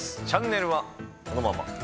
チャンネルはこのまま。